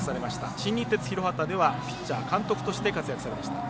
新日鉄広畑ではピッチャー監督として活躍されました。